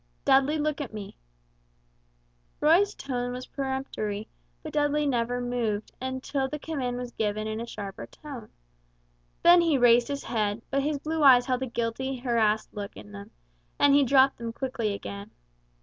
"Dudley, look at me." Roy's tone was peremptory, but Dudley never moved, until the command was given in a sharper tone. Then he raised his head, but his blue eyes had a guilty harassed look in them, and he dropped them quickly again.